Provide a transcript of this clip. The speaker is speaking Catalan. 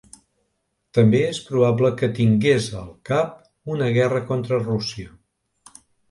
També és probable que tingués al cap una guerra contra Rússia.